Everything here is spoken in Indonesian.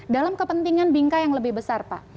dalam kepentingan bingkai yang lebih besar pak